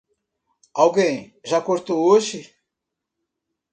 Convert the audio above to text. Alguém já cortou hoje?